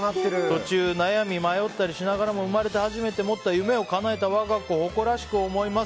途中、悩み迷ったりしながらも生まれて初めて持った夢をかなえた我が子を誇らしく思います